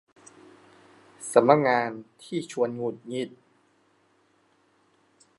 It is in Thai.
สำนักงานที่ชวนหงุดหงิด